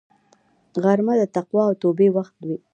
غرمه د تقوا او توبې وخت وي